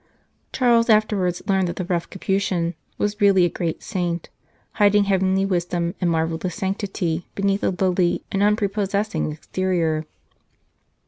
Charles afterwards learned that the rough Capuchin was really a great saint, hiding heavenly wisdom and marvellous sanctity beneath a lowly and unprepossessing exterior.